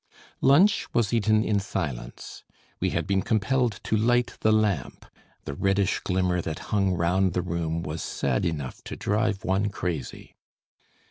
Lunch was eaten in silence. We had been compelled to light the lamp. The reddish glimmer that hung round the room was sad enough to drive one crazy.